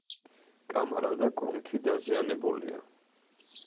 კამარა და კონქი დაზიანებულია.